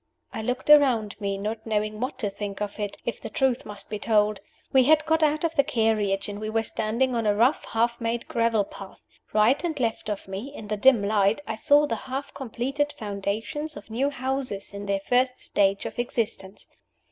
I looked around me, not knowing what to think of it, if the truth must be told. We had got out of the carriage, and we were standing on a rough half made gravel path. Right and left of me, in the dim light, I saw the half completed foundations of new houses in their first stage of existence.